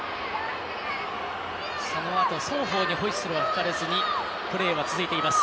そのあと、双方でホイッスルを吹かれずにプレーは続いています。